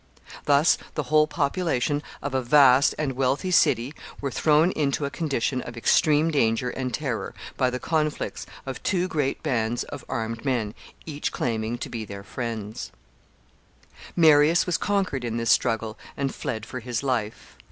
Thus the whole population of a vast and wealthy city were thrown into a condition of extreme danger and terror, by the conflicts of two great bands of armed men, each claiming to be their friends. [Sidenote: Defeat of Marius.] Marius was conquered in this struggle, and fled for his life.